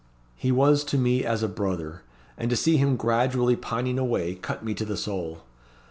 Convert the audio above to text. He was to me as a brother, and to see him gradually pining away cut me to the soul.